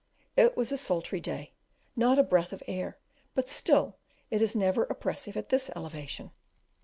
It was a sultry day, not a breath of air; but still it is never oppressive at this elevation.